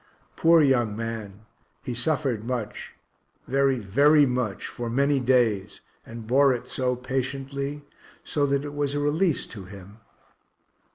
Poor young man, he suffered much, very, very much, for many days, and bore it so patiently so that it was a release to him.